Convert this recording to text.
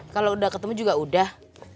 kalau udah ketemu juga udah